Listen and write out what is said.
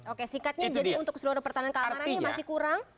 oke sikatnya jadi untuk seluruh pertahanan keamanannya masih kurang